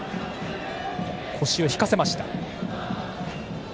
腰を引かせました。